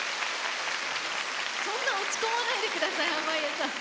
そんな落ち込まないでください濱家さん。